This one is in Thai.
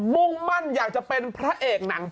มุ่งมั่นอยากจะเป็นพระเอกหนัง